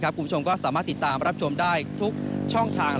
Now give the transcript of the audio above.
คุณผู้ชมก็สามารถติดตามรับชมได้ทุกช่องทาง